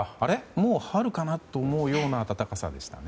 もう春かなと思うような暖かさでしたね。